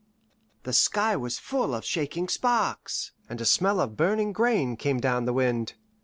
The sky was full of shaking sparks, and a smell of burning grain came down the wind.